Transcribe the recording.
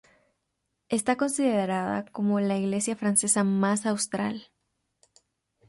Está considerada como la iglesia francesa más austral.